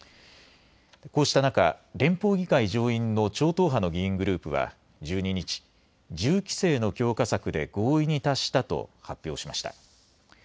こうした中、連邦議会上院の超党派の議員グループは１２日、銃規制の強化策で合意に達したと発表しました。